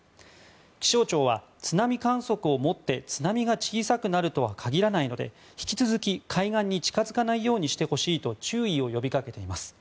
気象庁は、津波観測をもって津波が小さくなるとは限らないので引き続き海岸に近づかないようにしてほしいと注意を呼び掛けています。